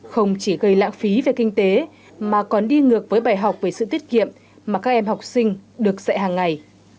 không chỉ gây lãng phí về kinh tế mà còn đi ngược với bài học về sự tiết kiệm mà các em học sinh được dạy hàng ngày